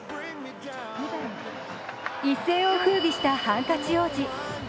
一世を風びしたハンカチ王子。